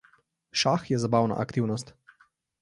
Šah je zabavna aktivnost.